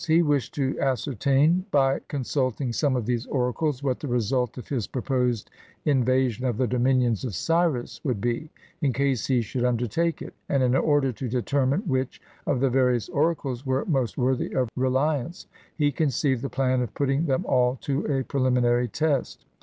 He wished to ascertain, by 308 HOW CYRUS WON THE LAND OF GOLD consulting some of these oracles, what the result of his proposed invasion of the dominions of Cyrus would be, in case he should undertake it; and in order to determine which of the various oracles were most worthy of reli ance, he conceived the plan of putting them all to a pre liminary test.